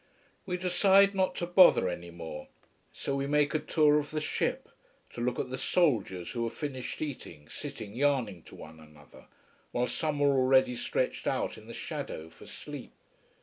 We decide not to bother any more. So we make a tour of the ship to look at the soldiers, who have finished eating, sitting yarning to one another, while some are already stretched out in the shadow, for sleep.